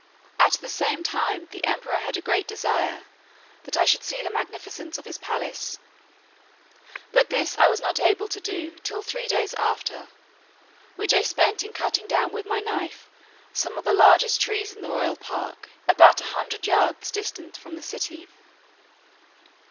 At the same time the emperor had a great desire that I should see the magnificence of his palace; but this I was not able to do till three days after, which I spent in cutting down with my knife some of the largest trees in the royal park, about a hundred yards distant from the city.